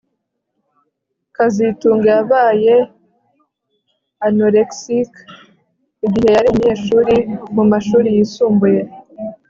kazitunga yabaye anorexic igihe yari umunyeshuri mu mashuri yisumbuye